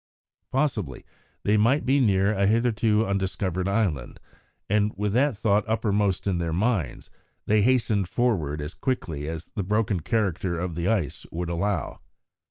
Possibly they might be near a hitherto undiscovered island, and with that thought uppermost in their minds they hastened forward as quickly as the broken character of the ice would allow.